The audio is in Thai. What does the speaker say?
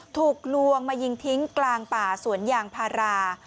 ถูกลวงมายิงทิ้งกลางป่าสวนยางพารา